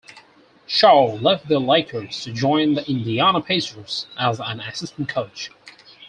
Shaw left the Lakers to join the Indiana Pacers as an assistant coach.